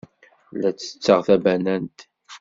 La ttetteɣ tabanant.